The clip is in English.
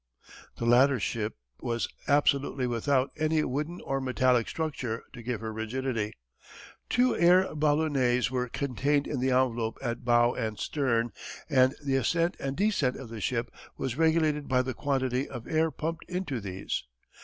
The latter ship was absolutely without any wooden or metallic structure to give her rigidity. Two air ballonets were contained in the envelope at bow and stern and the ascent and descent of the ship was regulated by the quantity of air pumped into these.